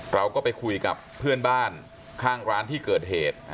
เราก็ไปคุยกับเพื่อนบ้านข้างร้านที่เกิดเหตุ